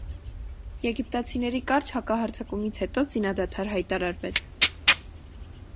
Եգիպտացիների կարճ հակահարձակումից հետո, զինադադար հայտարարվեց։